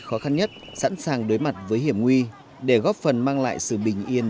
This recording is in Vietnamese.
khó khăn nhất sẵn sàng đối mặt với hiểm nguy để góp phần mang lại sự bình yên